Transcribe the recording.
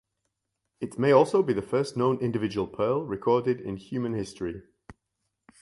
It may also be the first known individual pearl recorded in human history.